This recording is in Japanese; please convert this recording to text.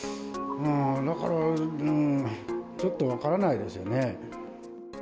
だから、ちょっと分からないですよね。